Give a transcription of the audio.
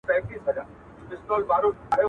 پسرلي په شپه کي راسي لکه خوب هسي تیریږي.